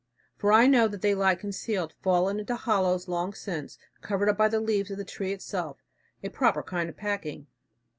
For I know that they lie concealed, fallen into hollows long since, and covered up by the leaves of the tree itself a proper kind of packing.